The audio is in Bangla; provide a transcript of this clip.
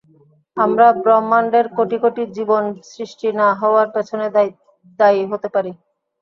আমরা ব্রহ্মান্ডের কোটি কোটি জীবন সৃষ্টি না হওয়ার পেছনে দায়ী হতে পারি।